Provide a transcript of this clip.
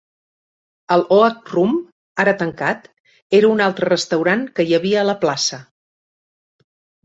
El Oak Room, ara tancat, era un altre restaurant que hi havia a la plaça.